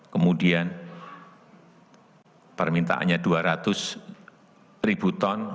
kemudian permintaannya dua ratus ribu ton